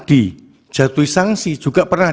dijatuhi sanksi juga pernah